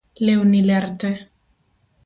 Lewni ler tee